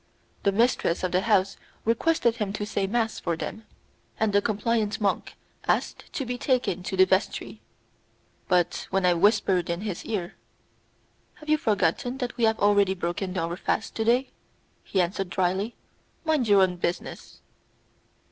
The mistress of the house requested him to say mass for them, and the compliant monk asked to be taken to the vestry, but when I whispered in his ear, "Have you forgotten that we have already broken our fast to day?" he answered, dryly, "Mind your own business."